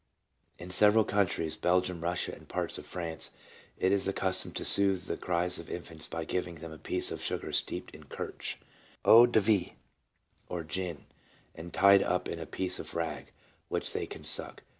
In several countries — Belgium, Russia, and parts of France — it is the custom to soothe the cries of infants by giving them a piece of sugar steeped in kirch, eau de vie^ or gin, and tied up in a piece of rag which they can suck.